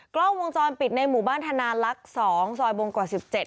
กล้องวงจรปิดในหมู่บ้านธนาลักษณ์สองซอยบวงกว่าสิบเจ็ด